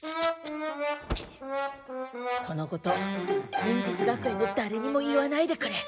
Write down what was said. このこと忍術学園のだれにも言わないでくれ。